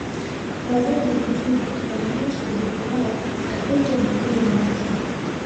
Wazazi wengine walimwacha kijana wao atafute mwenyewe mke